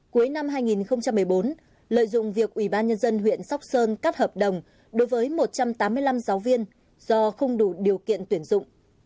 cuối năm hai nghìn một mươi bốn lợi dụng việc ủy ban nhân dân huyện sóc sơn cắt hợp đồng đối với một trăm tám mươi năm giáo viên do không đủ điều kiện tuyển dụng